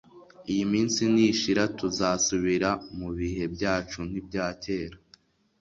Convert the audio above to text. iyi minsi nishira tuzasubira mu bihe byacu nk'ibyakera